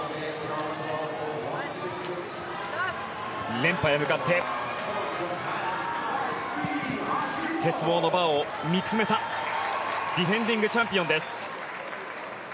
連覇へ向かって鉄棒のバーを見つめたディフェンディングチャンピオンです。